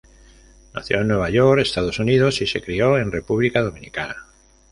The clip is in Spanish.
Nació en Nueva York, Estados Unidos, y se crió en República Dominicana.